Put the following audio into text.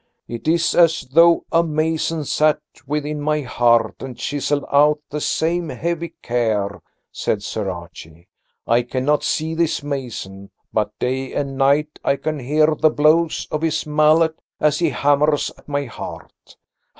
"It is as though a mason sat within my heart and chiselled out the same heavy care," said Sir Archie. "I cannot see this mason, but day and night I can hear the blows of his mallet as he hammers at my heart.